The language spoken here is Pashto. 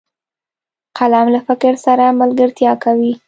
قلم له فکر سره ملګرتیا کوي